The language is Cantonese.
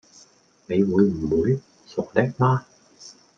你會唔會？傻的嗎！